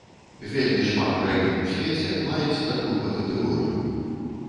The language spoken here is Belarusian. Вельмі шмат краін у свеце маюць такую падкатэгорыю.